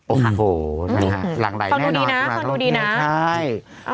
โอ้โฮหลังใดแน่นอนของรถนี้ใช่